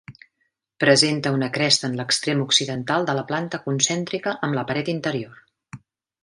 Presenta una cresta en l'extrem occidental de la planta concèntrica amb la paret interior.